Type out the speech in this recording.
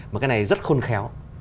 mà cái này rất khôn khéo